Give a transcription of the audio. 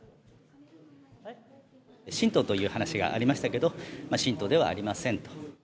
信徒という話がありましたけど、信徒ではありません。